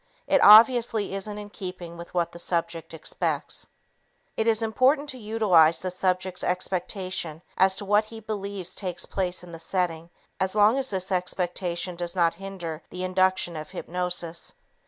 It obviously isn't in keeping with what the subject expects. It is important to utilize the subject's expectation as to what he believes takes place in the setting as long as this expectation does not hinder the induction of hypnosis.